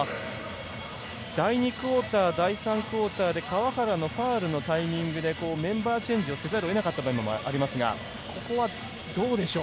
第２クオーター第３クオーターで川原のファウルのタイミングでメンバーチェンジをせざるをえなかったというのもありますがここは、どうでしょう。